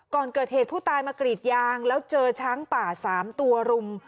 ก่อนเกิดเหตุผู้ตายมากรีดยางแล้วเจอช้างป่า๓ตัวรุม